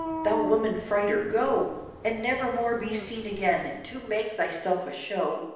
thou woman frighter go! And never more be seen again, to make thyself a show.